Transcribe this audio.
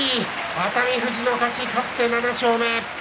熱海富士、勝って７勝目。